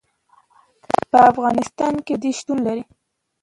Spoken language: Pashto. په افغانستان کې وادي شتون لري.